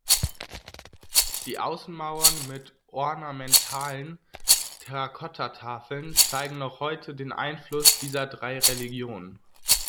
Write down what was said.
Die Außenmauern mit ornamentalen Terracotta-Tafeln zeigen noch heute den Einfluss dieser drei Religionen.